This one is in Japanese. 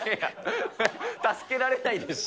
助けられないですし。